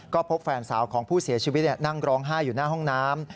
ก็พบแฟนสาวของผู้เสียชีวิตนั่งร้องไห้อยู่หน้าห้องน้ำ